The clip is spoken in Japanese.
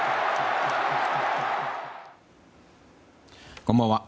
こんばんは。